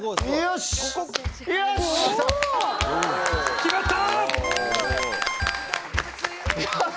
決まった！